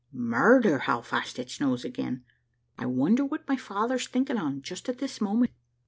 Murder! how fast it snows again. I wonder what my father's thinking on just at this moment."